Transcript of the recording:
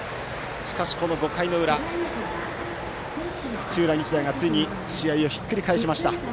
しかし５回の裏土浦日大がついに試合をひっくり返しました。